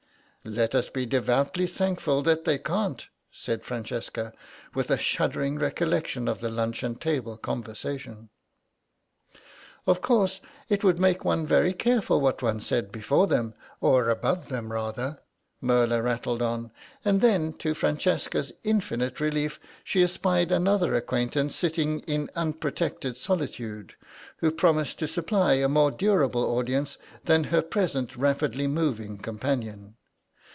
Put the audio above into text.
"Let us be devoutly thankful that they can't," said Francesca, with a shuddering recollection of the luncheon table conversation. "Of course, it would make one very careful what one said before them—or above them rather," Merla rattled on, and then, to Francesca's infinite relief, she espied another acquaintance sitting in unprotected solitude, who promised to supply a more durable audience than her present rapidly moving companion.